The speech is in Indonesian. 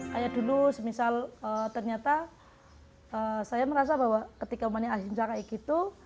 saya dulu semisal ternyata saya merasa bahwa ketika umpamanya asli mencari kayak gitu